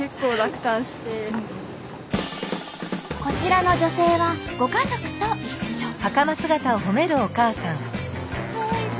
こちらの女性はご家族と一緒。